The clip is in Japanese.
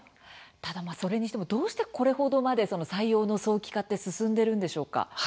ただそれにしてもどうして、これほどまで採用の早期化って進んでいるのでしょうか？